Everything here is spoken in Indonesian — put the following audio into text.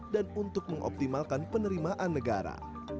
dan untuk mengoptimalkan penerimaan negara